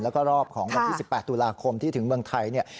แล้วก็รอบของวันที่๑๘ตุลาคมที่ถึงเมืองไทยเนี่ย